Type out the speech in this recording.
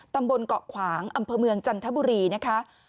ตำบลเกาะขวางอำเภอเมืองจันทบุรีนะคะ